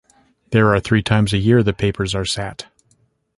There are three times a year the papers are sat.